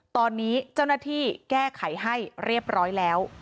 ตอนนี้เจ้าหน้าที่แก้ไขให้เรียบร้อยแล้ว